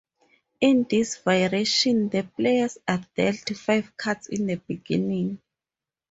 In this variation the players are dealt five cards in the beginning.